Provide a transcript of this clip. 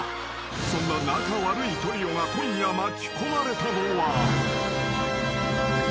［そんな仲悪いトリオが今夜巻き込まれたのは］